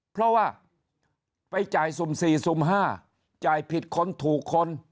เพราะว่าไปจ่ายสุ่ม๔สุ่ม๕จ่ายผิดคนถูกคน